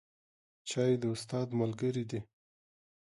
چای د استاد ملګری دی